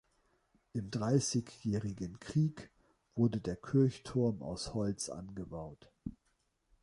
Im Dreißigjährigen Krieg wurde der Kirchturm aus Holz angebaut.